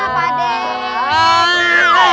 waduh jadi ini nih pelakunya